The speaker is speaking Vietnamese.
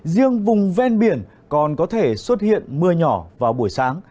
riêng vùng ven biển còn có thể xuất hiện mưa nhỏ vào buổi sáng